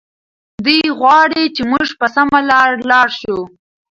دی غواړي چې موږ په سمه لاره لاړ شو.